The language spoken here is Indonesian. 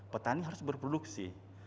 petani harus berproduksi